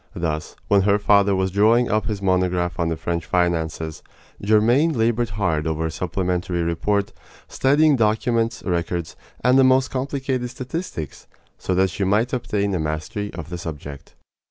Thus, when her father was drawing up his monograph on the French finances, Germaine labored hard over a supplementary report, studying documents, records, and the most complicated statistics, so that she might obtain a mastery of the subject.